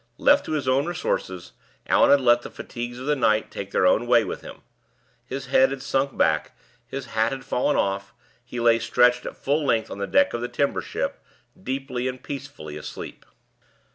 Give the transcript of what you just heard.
Left to his own resources, Allan had let the fatigues of the night take their own way with him. His head had sunk back; his hat had fallen off; he lay stretched at full length on the deck of the timber ship, deeply and peacefully asleep.